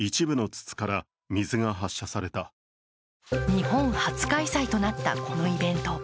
日本初開催となったこのイベント。